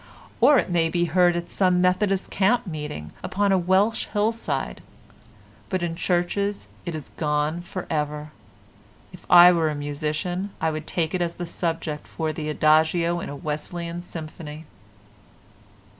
Or it may be heard at some Methodist Camp Meeting upon a Welsh hillside, but in the churches it is gone for ever. If I were a musician I would take it as the subject for the adagio in a Wesleyan symphony.